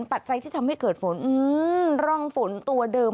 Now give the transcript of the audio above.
ปัจจัยที่ทำให้เกิดฝนร่องฝนตัวเดิม